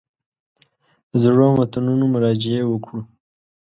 زړو متنونو مراجعې وکړو.